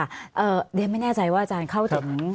เดี๋ยวไม่แน่ใจว่าอาจารย์เข้าถึง